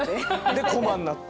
で駒になって。